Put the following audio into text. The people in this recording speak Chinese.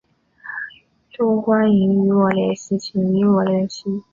都欢迎与我联系请与我联系